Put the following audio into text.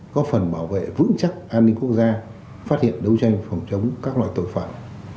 có phần bảo vệ vững chắc an ninh quốc gia phát hiện đấu tranh phòng chống các loại tội phạm